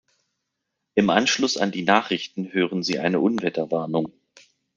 Im Anschluss an die Nachrichten hören Sie eine Unwetterwarnung.